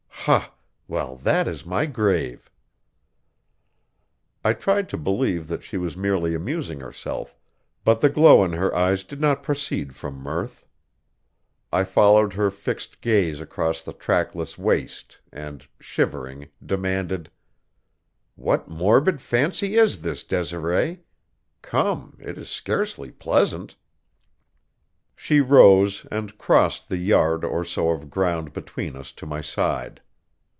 Ha! Well, that is my grave." I tried to believe that she was merely amusing herself, but the glow in her eyes did not proceed from mirth. I followed her fixed gaze across the trackless waste and, shivering, demanded: "What morbid fancy is this, Desiree? Come, it is scarcely pleasant." She rose and crossed the yard or so of ground between us to my side.